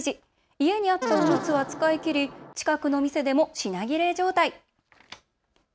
家にあったおむつは使い切り近くの店でも品切れ状態。